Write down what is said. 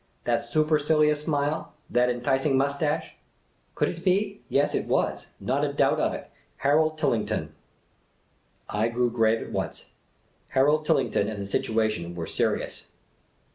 That supercilious smile — that enticing moustache ! Could it be ?— yes, it was — not a doubt of it— Harold Tillington ! I grew grave at once ; Harold Tillington and the situation were serious.